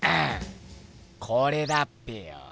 これだっぺよ！